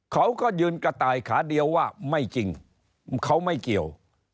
เขาก็ยืนกระต่ายขาเดียวว่าไม่จริงเขาไม่เกี่ยว